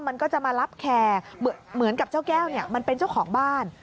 มันก็จะมารับแคร์เหมือนกับเจ้าแก้วเนี่ยมันเป็นเจ้าของบ้าน